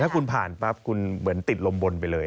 คุณผ่านปั๊บคุณเหมือนติดลมบนไปเลย